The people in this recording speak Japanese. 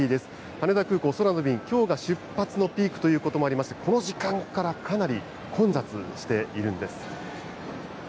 羽田空港空の便、きょうが出発のピークということもありまして、この時間からかなり混雑しているんです。